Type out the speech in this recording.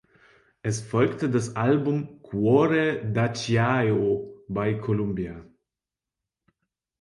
Es folgte das Album "Cuore d’acciaio" bei Columbia.